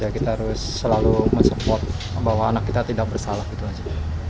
kita harus selalu mensupport bahwa anak kita tidak bersalah gitu aja